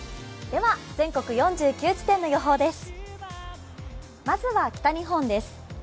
全国４９地点の予報です。